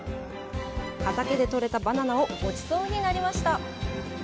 畑で取れたバナナをごちそうになりました。